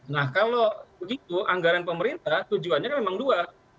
nah kalau begitu anggaran pemerintah tujuannya kan memang dua